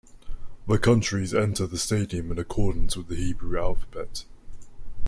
The countries enter the stadium in accordance with the Hebrew alphabet.